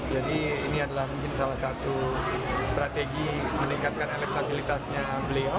jadi ini adalah mungkin salah satu strategi meningkatkan elektabilitasnya beliau